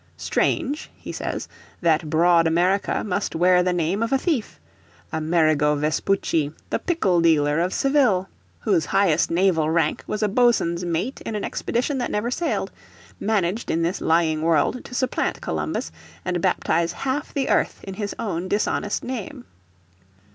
"Strange," he says, "that broad America must wear the name of a thief. Amerigo Vespucci, the pickle dealer of Seville ... whose highest naval rank was a boatswain's mate in an expedition that never sailed, managed in this lying world to supplant Columbus and baptise half the earth with his own dishonest name."